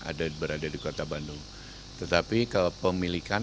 sehingga pemerintah kota belum bisa melakukan pemeliharaan